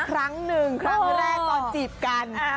ครั้งหนึ่งครั้งแรกตอนจีบกัน